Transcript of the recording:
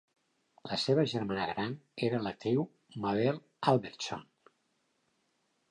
La seva germana gran era l'actriu Mabel Albertson.